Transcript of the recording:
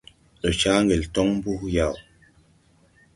Ndɔ caa ŋgel tɔŋ mbuh yaw ?